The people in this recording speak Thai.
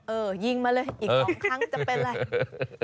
เออยิงมาเลยอีก๒ครั้งจะเป็นอะไร